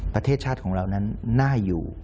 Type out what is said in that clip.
ประเทศชาติของเรานั้นน่าอยู่